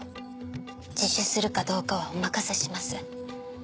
自首するかどうかはお任せします。